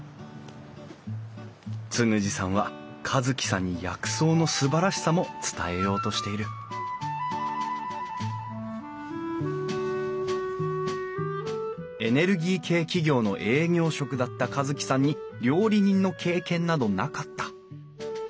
嗣二さんは一樹さんに薬草のすばらしさも伝えようとしているエネルギー系企業の営業職だった一樹さんに料理人の経験などなかった。